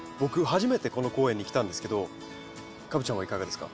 初めてこの公園に来たんですけどカブちゃんはいかがですか？